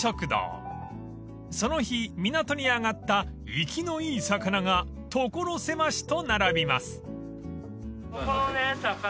［その日港に揚がった生きのいい魚が所狭しと並びます］